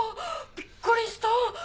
びっくりしたー。